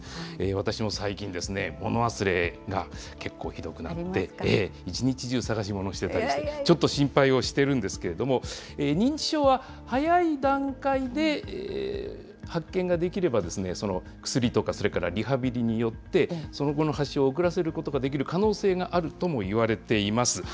私も最近ですね、物忘れが結構ひどくなって、一日中、探し物をしていたりして、ちょっと心配をしてるんですけども、認知症は早い段階で発見ができれば、薬とかリハビリによって、その後の発症を遅らせることができる可能性があるともいわれています。